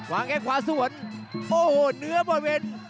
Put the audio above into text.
วางแค่ขวาส่วนโอ้โหเนื้อบนเวน